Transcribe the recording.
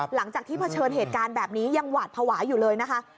หลังจากที่เผชิญเหตุการณ์แบบนี้ยังหวาดภาวะอยู่เลยนะคะ